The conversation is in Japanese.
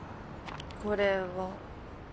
これは？